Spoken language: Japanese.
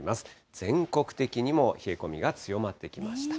全国的にも冷え込みが強まってきました。